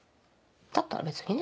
だったら別にね？